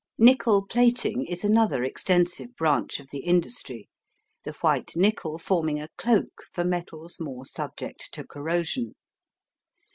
Nickel plating is another extensive branch of the industry, the white nickel forming a cloak for metals more subject to corrosion.